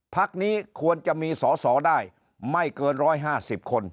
พักนี้ควรจะมีสอสอได้ไม่เกิน๑๕๐คน